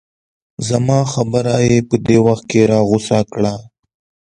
زما خبره یې په دې وخت کې راغوڅه کړه.